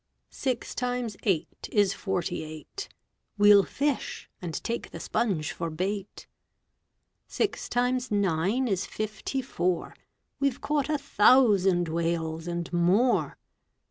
Six times eight is forty eight. We'll fish, and take the sponge for bait. Six times nine is fifty four. We've caught a thousand whales and more.